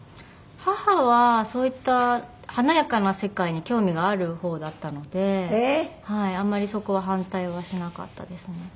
母はそういった華やかな世界に興味がある方だったのであんまりそこは反対はしなかったですね。